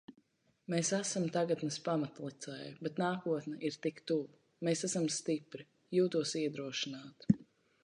Mēs esam tagadnes pamatlicēji, bet nākotne ir tik tuvu. Mēs esam stipri. Jūtos iedrošināta.